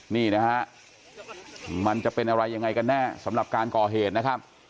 นี่นะฮะมันจะเป็นอะไรยังไงกันแน่สำหรับการก่อเหตุนะครับ